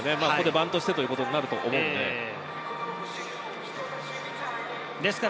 バントということになると思います。